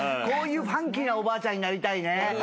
こういうファンキーなおばあちゃんになりたいね。